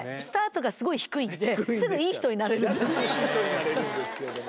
逆にいい人になれるんですけれども。